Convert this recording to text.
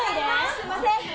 すんません。